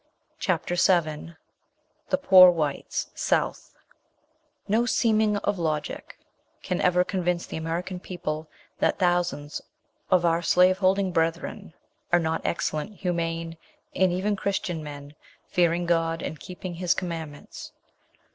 CHAPTER VII THE POOR WHITES, SOUTH "No seeming of logic can ever convince the American people, that thousands of our slave holding brethren are not excellent, humane, and even Christian men, fearing God, and keeping His commandments."